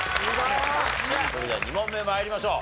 それでは２問目参りましょう。